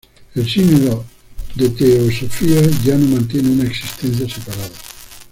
El sínodo de Teosofía ya no mantiene una existencia separada.